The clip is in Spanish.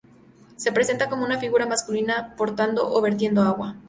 Se representa como una figura masculina portando o vertiendo agua.